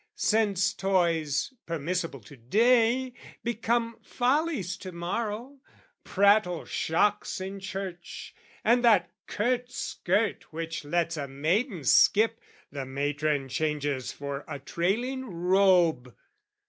Since toys, permissible to day, become Follies to morrow: prattle shocks in church: And that curt skirt which lets a maiden skip, The matron changes for a trailing robe.